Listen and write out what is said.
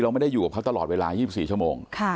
ไม่ได้อยู่กับเขาตลอดเวลา๒๔ชั่วโมง